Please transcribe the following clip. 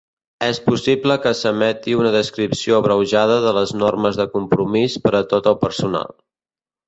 És possible que s'emeti una descripció abreujada de les normes de compromís per a tot el personal.